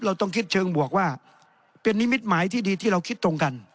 เราต้องคิดเชิงบวกว่าเป็นนิมิตหมายที่ดีที่เราคิดตรงกัน